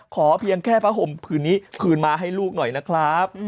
เพียงแค่ผ้าห่มผืนนี้คืนมาให้ลูกหน่อยนะครับ